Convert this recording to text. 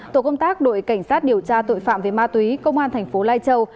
tổ công tác đội cảnh sát điều tra tội phạm về ma túy công an thành phố lai châu